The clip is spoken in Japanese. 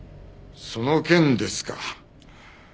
その件ですか。